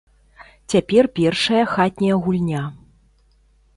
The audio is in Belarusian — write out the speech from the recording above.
Цяпер першая хатняя гульня.